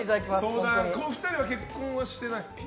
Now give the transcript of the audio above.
２人は結婚はしていないの？